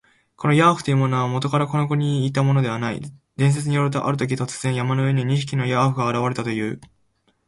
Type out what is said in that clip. このヤーフというものは、もとからこの国にいたものではない。伝説によると、あるとき、突然、山の上に二匹のヤーフが現れたという。